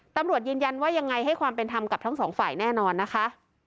ตำรวจยืนยันว่ายังไงให้ความเป็นธรรมกับทั้งสองฝ่ายแน่นอนนะคะ